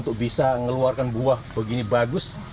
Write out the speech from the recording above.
keluarkan buah begini bagus